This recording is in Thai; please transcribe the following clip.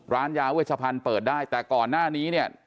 ร้านยาเวชพันธุ์เปิดได้แต่ก่อนหน้านี้เนี่ย